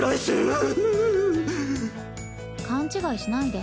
勘違いしないで。